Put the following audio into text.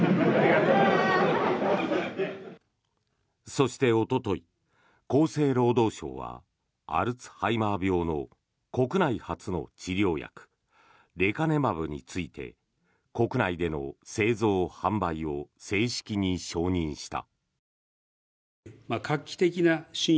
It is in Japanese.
そして、おととい厚生労働省はアルツハイマー病の国内初の治療薬レカネマブについて国内での製造・販売を正式に承認した。